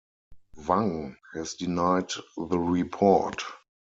Wang has denied the report.